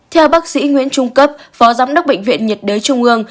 theo bác sĩ nguyễn trung cấp phó giám đốc bệnh viện nhiệt đới trung ương